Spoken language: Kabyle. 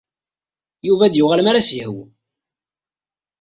Yuba ad d-yuɣal mi arq as-yehwu.